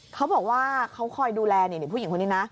เขาบอกว่าเขาคอยดูแลผู้หญิงคนนี้นะ